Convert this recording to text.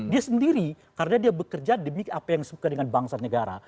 dia sendiri karena dia bekerja demi apa yang suka dengan bangsa negara